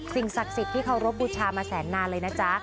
ศักดิ์สิทธิ์ที่เคารพบูชามาแสนนานเลยนะจ๊ะ